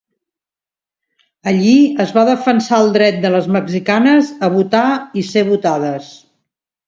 Allí, es va defensar el dret de les mexicanes a votar i ser votades.